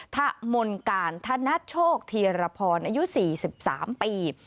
ทะมนต์กาลทะนัดโชคเทียรพรอายุ๔๓ปี